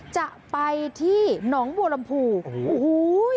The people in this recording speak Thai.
จะไปที่หนองบัวลำพูโอ้โห